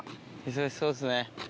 忙しそうですね。